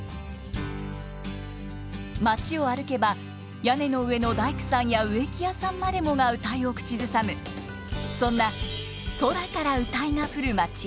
町を歩けば屋根の上の大工さんや植木屋さんまでもが謡を口ずさむそんな空から謡が降るまち。